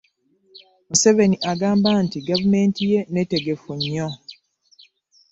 Museveni agamba nti gavumenti ye nneetegefu nnyo